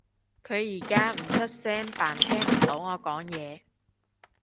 佢而家唔出聲扮聽唔到我講嘢